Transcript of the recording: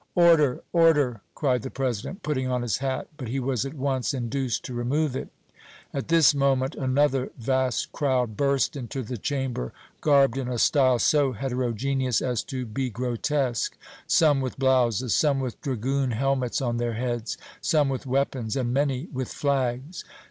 "Order order!" cried the President, putting on his hat, but he was at once induced to remove it. At this moment another vast crowd burst into the Chamber, garbed in a style so heterogeneous as to be grotesque some with blouses some with dragoon helmets on their heads, some with weapons and many with flags.